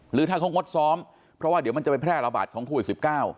หรือถ้าเขางดซ้อมเพราะว่าเดี๋ยวมันจะไปแพร่ระบาดของโควิด๑๙